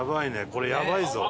これやばいぞ！